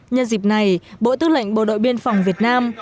nhân dịp này bộ tư lệnh bộ đội biên phòng việt nam